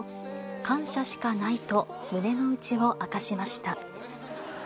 感謝しかないと、胸の内を明かしました。